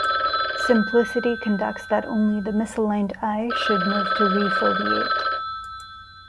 Simplicity conducts that only the misaligned eye should move to refoveate.